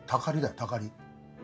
たかり？